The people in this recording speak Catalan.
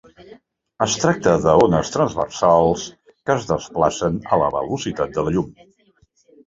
Es tracta d'ones transversals que es desplacen a la velocitat de la llum.